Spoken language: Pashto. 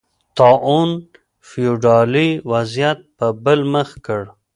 طاعون فیوډالي وضعیت په بل مخ کړ.